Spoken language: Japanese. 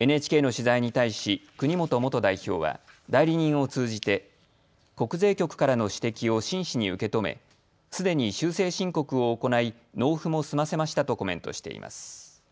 ＮＨＫの取材に対し、国本元代表は代理人を通じて国税局からの指摘を真摯に受け止めすでに修正申告を行い納付も済ませましたとコメントしています。